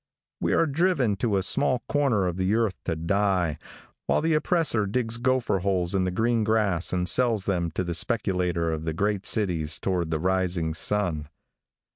We are driven to a small corner of the earth to die, while the oppressor digs gopher holes in the green grass and sells them to the speculator of the great cities toward the rising sun.